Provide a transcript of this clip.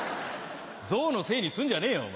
ゾウのせいにすんじゃねえよ。